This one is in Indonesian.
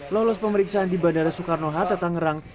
lolos pemeriksaan di bandara soekarno hatta tangerang